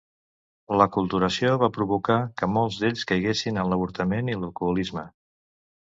L'aculturació va provocar que molts d'ells caiguessin en l'avortament i l'alcoholisme.